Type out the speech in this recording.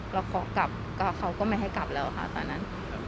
เราขอกลับเขาก็ไม่ให้กลับแล้วค่ะตอนนั้น